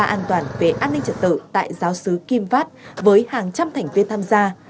an toàn về an ninh trật tự tại giáo sứ kim phát với hàng trăm thành viên tham gia